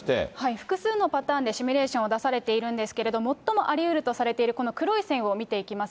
複数のパターンでシミュレーションを出されているんですけれども、最もありうるとされているこの黒い線を見ていきます。